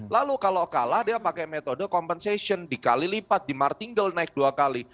lalu kalau kalah dia pakai metode compensation dikali lipat di martingle naik dua kali